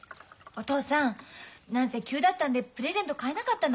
お父さん何せ急だったんでプレゼント買えなかったの。